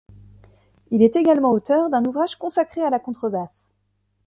Il est également auteur d’un ouvrage consacré à la contrebasse.